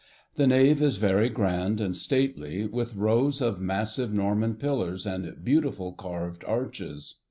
The nave is very grand and stately, with rows of massive Norman pillars and beautifully carved arches.